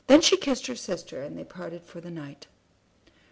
Then she kissed her sister and they parted for the night.